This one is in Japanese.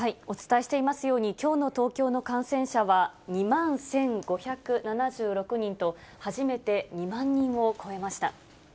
お伝えしていますように、きょうの東京の感染者は２万１５７６人と、初めて２万人を超えました。